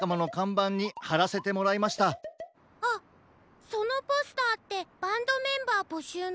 あっそのポスターってバンドメンバーぼしゅうの？